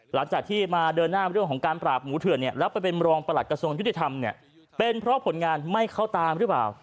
หลังจากที่มาเดินหน้าเรื่องของการปราบหมูเถื่อนเนี่ยแล้วไปเป็นรองประหลัดกระทรวงยุติธรรมเนี่ยเป็นเพราะผลงานไม่เข้าตามหรือเปล่า